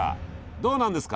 どうなんですか？